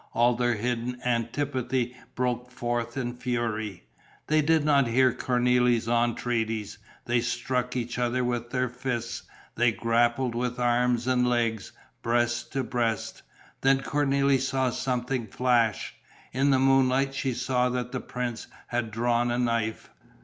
All their hidden antipathy broke forth in fury. They did not hear Cornélie's entreaties, they struck each other with their fists, they grappled with arms and legs, breast to breast. Then Cornélie saw something flash. In the moonlight she saw that the prince had drawn a knife.